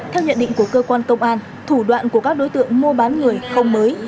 theo nhận định của cơ quan công an thủ đoạn của các đối tượng mua bán người không mới